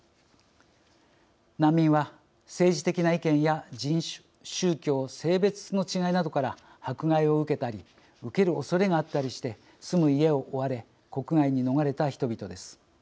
難民は、政治的な意見や人種宗教、性別の違いなどから迫害を受けたり受けるおそれがあったりして住む家を追われ国外に逃れた人々です。